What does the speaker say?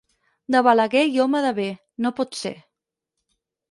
De Balaguer i home de bé, no pot ser.